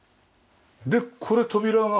でこれ扉が。